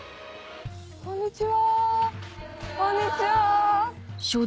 こんにちは。